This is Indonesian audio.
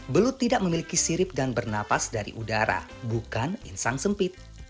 belut tidak memiliki sirip dan bernapas dari udara bukan insang sempit